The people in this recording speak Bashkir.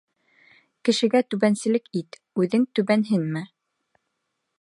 Кешегә түбәнселек ит, үҙең түбәнһенмә.